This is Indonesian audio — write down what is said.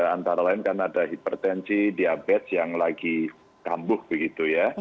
antara lain kan ada hipertensi diabetes yang lagi kambuh begitu ya